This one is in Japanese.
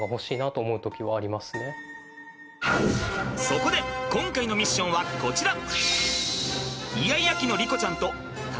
そこで今回のミッションはこちら！